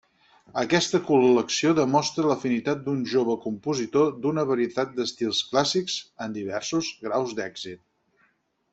Aquesta col·lecció demostra l'afinitat d'un jove compositor d'una varietat d'estils clàssics, amb diversos graus d'èxit.